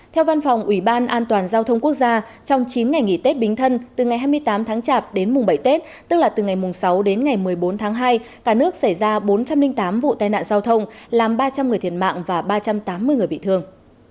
theo văn phòng ủy ban an toàn giao thông quốc gia trong chín ngày nghỉ tết bính thân từ ngày hai mươi tám tháng chạp đến mùng bảy tết tức là từ ngày sáu đến ngày một mươi bốn tháng hai cả nước xảy ra bốn trăm linh tám vụ tai nạn giao thông làm ba trăm linh người thiệt mạng và ba trăm tám mươi người bị thương